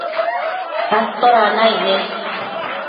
¿atoda naic ne?